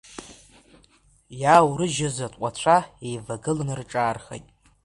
Иааурыжьыз атҟәацәа еивагыланы рҿаархеит.